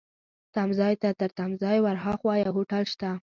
تمځای ته، تر تمځای ورهاخوا یو هوټل شته.